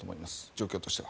状況としては。